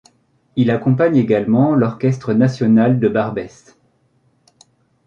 Il accompagne également l'Orchestre national de Barbès.